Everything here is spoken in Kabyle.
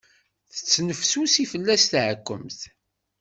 Tettnefsusi fell-as tɛekkemt.